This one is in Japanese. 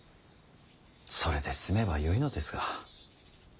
それで済めばよいのですが。